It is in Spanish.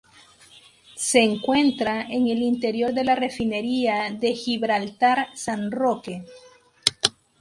Se encuentra en el interior de la refinería de Gibraltar-San Roque.